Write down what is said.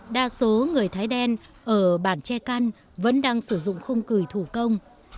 đa số người thái đen ở bản che căn vẫn đang sử dụng khung cửi thủ công